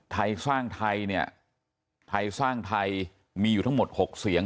ไทยสร้างไทยเนี่ยไทยสร้างไทยมีอยู่ทั้งหมด๖เสียง